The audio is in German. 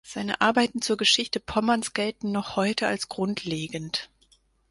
Seine Arbeiten zur Geschichte Pommerns gelten noch heute als grundlegend.